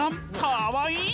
かわいい！